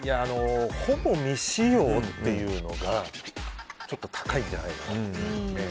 ほぼ未使用っていうのがちょっと高いんじゃないかなと。